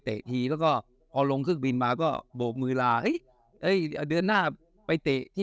เตะทีแล้วก็พอลงคุยปีนมาก็โบบมือลาเดือนหน้าไปเตะที